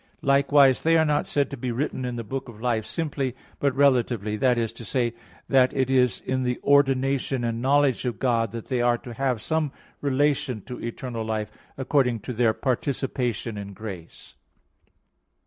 Likewise they are not said to be written in the book of life simply, but relatively; that is to say, that it is in the ordination and knowledge of God that they are to have some relation to eternal life, according to their participation in grace.